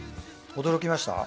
驚きました？